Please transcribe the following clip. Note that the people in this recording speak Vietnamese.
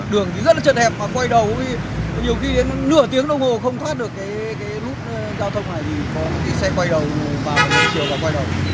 đường thì rất là chật hẹp mà quay đầu nhiều khi đến nửa tiếng đồng hồ không thoát được cái lúc giao thông này thì có những xe quay đầu vào ngược chiều và quay đầu